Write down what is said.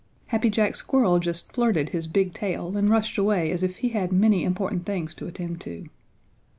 Happy Jack Squirrel just flirted his big tail and rushed away as if he had many important things to attend to.